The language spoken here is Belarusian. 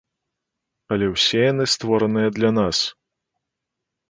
Але ўсе яны створаныя для нас.